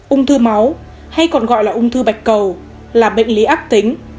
ung thư máu hay còn gọi là ung thư bạch cầu là bệnh lý ác tính